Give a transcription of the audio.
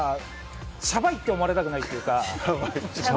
シャバいって思われたくないっていうか。